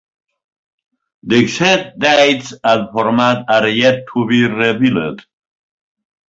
The exact dates and format are yet to be revealed.